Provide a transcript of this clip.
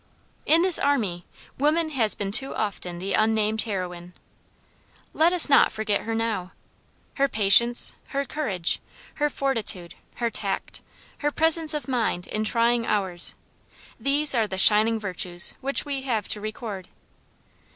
In this army WOMAN HAS BEEN TOO OFTEN THE UNNAMED HEROINE. Let us not forget her now. Her patience, her courage, her fortitude, her tact, her presence of mind in trying hours; these are the shining virtues which we have to record.